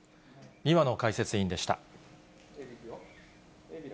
庭野解説委員でした。